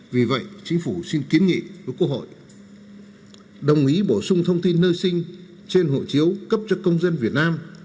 vì vậy chính phủ xin kiến nghị với quốc hội đồng ý bổ sung thông tin nơi sinh trên hộ chiếu cấp cho công dân việt nam